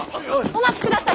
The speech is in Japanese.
お待ちください！